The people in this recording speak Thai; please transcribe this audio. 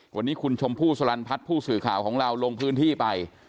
วันนี้คุณชมพู่สลันพัฒน์ผู้สื่อข่าวของเราลงพื้นที่ไป